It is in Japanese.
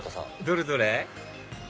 どれどれ？